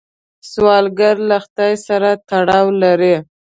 سوالګر له خدای سره تړاو لري